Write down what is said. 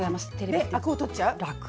でアクを取っちゃう？